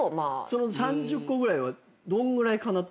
３０個ぐらいはどんぐらいかなった？